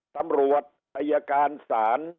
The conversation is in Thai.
ตำรวจไทยการสาร